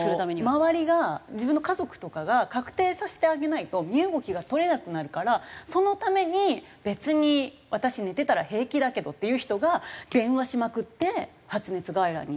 周りが自分の家族とかが確定させてあげないと身動きが取れなくなるからそのために別に私寝てたら平気だけどっていう人が電話しまくって発熱外来に行ってるんですよね。